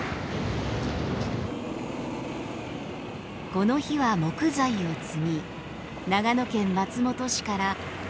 この日は木材を積み長野県松本市から新潟県まで運ぶ業務。